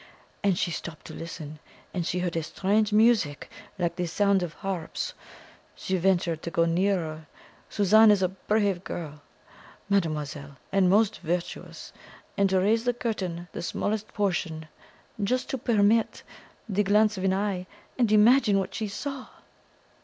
And she stopped to listen, and she heard a strange music like the sound of harps. She ventured to go nearer Suzanne is a brave girl, mademoiselle, and most virtuous and to raise the curtain the smallest portion just to permit the glance of an eye. And imagine what she saw."